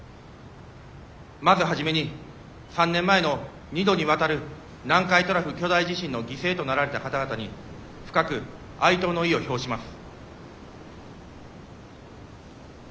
まず初めに３年前の２度にわたる南海トラフ巨大地震の犠牲となられた方々に深く哀悼の意を表します。